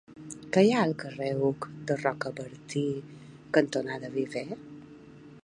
Què hi ha al carrer Hug de Rocabertí cantonada Viver?